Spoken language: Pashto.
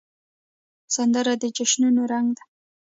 سندره د جشنونو رنګ ده